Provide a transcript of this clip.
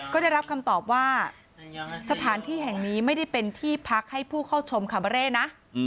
ก็ได้รับคำตอบว่าสถานที่แห่งนี้ไม่ได้เป็นที่พักให้ผู้เข้าชมคาเบอร์เร่นะ